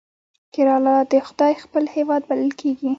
کیرالا د خدای خپل هیواد بلل کیږي.